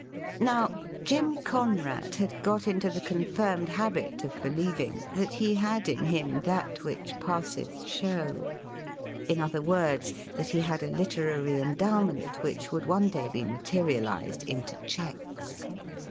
Now, Jim Conrad had got into the confirmed habit of believing that he had in him that which passeth show — in other words, that he had a literary endowment which would one day be materialized into cheques.